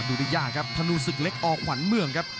ดูได้ยากครับธนูศึกเล็กอขวัญเมืองครับ